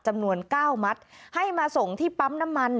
จำนวน๙มัดให้มาส่งที่ปั๊มน้ำมัน